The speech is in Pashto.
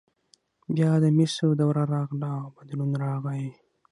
بیا د مسو دوره راغله او بدلون راغی.